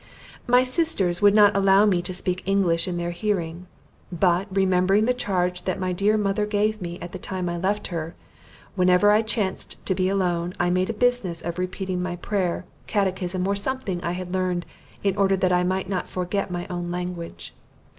My sisters would not allow me to speak English in their hearing; but remembering the charge that my dear mother gave me at the time I left her, whenever I chanced to be alone I made a business of repeating my prayer, catechism, or something I had learned in order that I might not forget my own language.